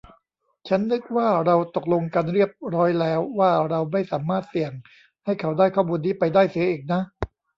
ฉันนีกว่าเราตกลงกันเรียบร้อยแล้วว่าเราไม่สามารถเสี่ยงให้เขาได้ข้อมูลนี้ไปได้เสียอีกนะ